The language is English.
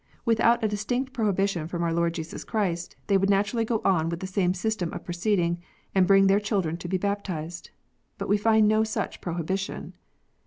Without a distinct prohibition from our Lord Jesus Christ, they would naturally go on with the same system of proceeding, and bring their children to be baptized. But ice find no such pro hibition